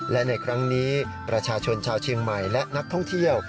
และในครั้งนี้ประชาชนชาวเชียงใหม่และนักท่องเที่ยว